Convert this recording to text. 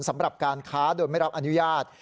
สำหรับการค้าโดยไม่รับอนุญาต